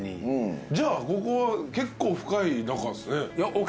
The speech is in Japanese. じゃあここは結構深い仲っすね。